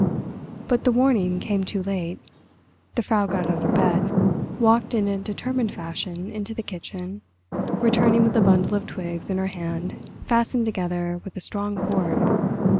But the warning came too late. The Frau got out of bed, walked in a determined fashion into the kitchen, returning with a bundle of twigs in her hand fastened together with a strong cord.